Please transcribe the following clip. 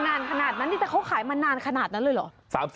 นานขนาดนั้นนี่แต่เขาขายมานานขนาดนั้นเลยเหรอ